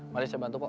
mari saya bantu pak